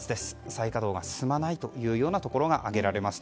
再稼働が進まないというところが挙げられます。